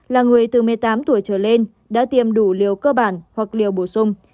là người từ một mươi tám tuổi trở lên đã tiêm đủ liều cơ bản hoặc liều bổ sung